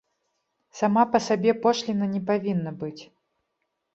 Сама па сабе пошліна не павінна быць.